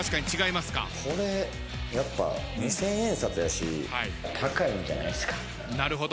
これやっぱ二千円札やし高いんじゃないっすか？